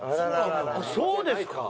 そうですか。